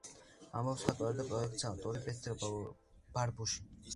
ამბობს მხატვარი და პროექტის ავტორი ბეთ ბარბუში.